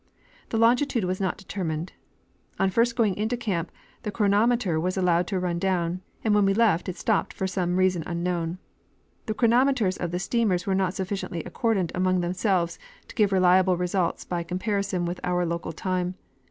The longitude was not determined ; on first going into camp the chronometer was allowed to run down, and when we left, it stopped for some reason unknown. The chronometers of the steamers were not sufficiently accordant among themselves to give reliable results by comparison with our local time.